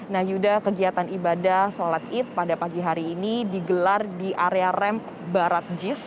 nah yuda kegiatan ibadah sholat id pada pagi hari ini digelar di area rem barat jief